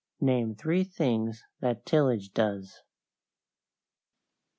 Name three things that tillage does.